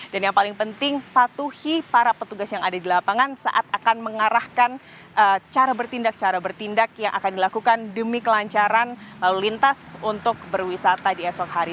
dan yang paling penting patuhi para petugas yang ada di lapangan saat akan mengarahkan cara bertindak cara bertindak yang akan dilakukan demi kelancaran lalu lintas untuk berwisata di esok hari